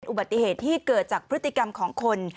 อุบัติเหตุที่เกิดจากพฤติกรรมของคน